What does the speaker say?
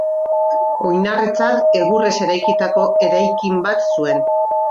Oinarritzat egurrez eraikitako eraikin bat zuen.